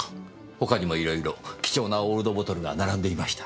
他にもいろいろ貴重なオールドボトルが並んでいました。